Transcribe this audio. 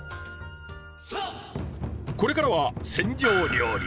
これからは船上料理。